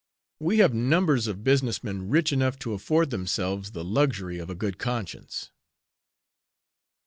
We have numbers of business men, rich enough to afford themselves the luxury of a good conscience."